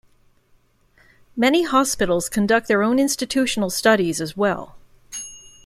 Many hospitals conduct their own institutional studies as well.